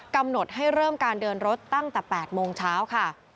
กำหนดให้เริ่มการเดินรถตั้งแต่๘โมงเช้าค่ะ